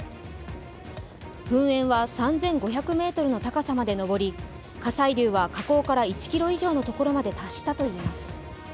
噴煙は３５００ｍの高さまで上り、火砕流は火口から１ｋｍ以上のところまで達したといいます。